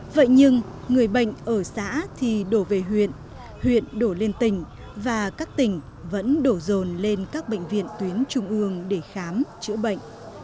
vậy nhưng người bệnh ở xã thì đổ về huyện huyện đổ lên tỉnh và các tỉnh vẫn đổ rồn lên các bệnh viện tuyến trung ương để khám chữa bệnh